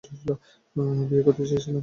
বিয়ে করতে চেয়েছিলাম।